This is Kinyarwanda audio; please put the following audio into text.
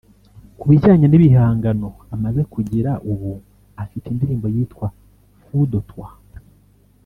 Ku bijyanye n’ibihangano amaze kugira ubu afite indirimbo yitwa Fou de toi